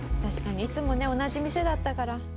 いつもね同じ店だったから。